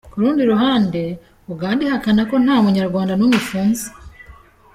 Ku rundi ruhande, Uganda ihakana ko nta Munyarwanda n’umwe ifunze.